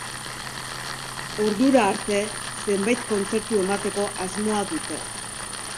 Ordura arte zenbait kontzertu emateko asmoa dute.